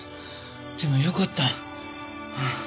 でもよかった。